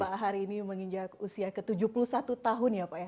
bapak hari ini menginjak usia ke tujuh puluh satu tahun ya pak ya